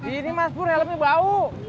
ini mah helmnya bau